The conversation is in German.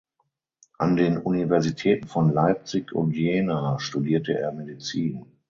An den Universitäten von Leipzig und Jena studierte er Medizin.